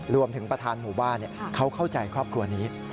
รวมถึงประธานหมู่บ้านเขาเข้าใจครอบครัวนี้